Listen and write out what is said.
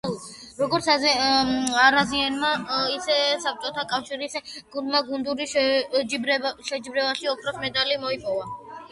როგორც აზარიანმა, ისე საბჭოთა კავშირის გუნდმა გუნდურ შეჯიბრებაში ოქროს მედალი მოიპოვა.